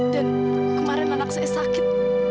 dan kemarin anak saya sakit